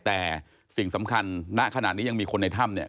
แต่สิ่งสำคัญณขณะนี้ยังมีคนในถ้ำเนี่ย